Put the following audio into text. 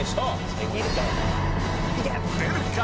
出るか？